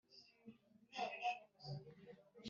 mi nzamukanga mukanganure